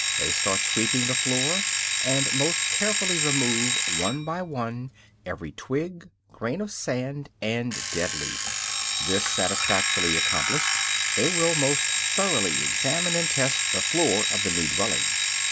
They start sweeping the floor, and most carefully remove, one by one, every twig, grain of sand, and dead leaf. This satisfactorily accomplished, they will most thoroughly examine and test the floor of the new dwelling.